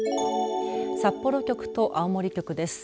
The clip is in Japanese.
札幌局と青森局です。